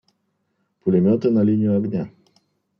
Пулеметы на линию огня!..